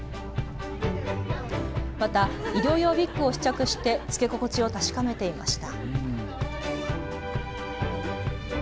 また医療用ウイッグを試着して着け心地を確かめていました。